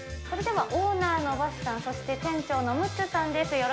それでは、オーナーのバシさん、そして店長のムッツさんです。